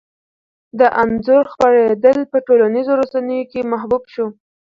د انځور خپرېدل په ټولنیزو رسنیو کې محبوب شو.